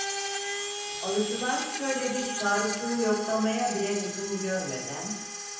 Alıcılar şöyle bir sağrısını yoklamaya bile lüzum görmeden: